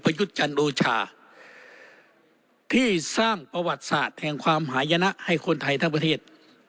ยุทธ์จันโอชาที่สร้างประวัติศาสตร์แห่งความหายนะให้คนไทยทั้งประเทศ